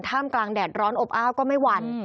ท่ามกลางแดดร้อนอบอ้าวก็ไม่หวั่น